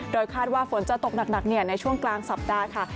คาดว่าฝนจะตกหนักในช่วงกลางสัปดาห์ค่ะ